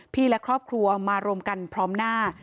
และครอบครัวมารวมกันพร้อมหน้า